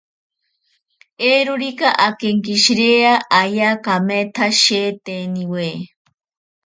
Eirorika akenkishirea ayaa kametsa sheeteniwe.